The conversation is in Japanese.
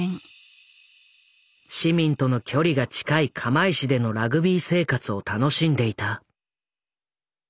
市民との距離が近い釜石でのラグビー生活を楽しんでいた。